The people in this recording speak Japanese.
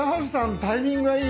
タイミングがいい！